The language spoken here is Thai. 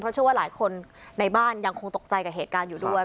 เชื่อว่าหลายคนในบ้านยังคงตกใจกับเหตุการณ์อยู่ด้วย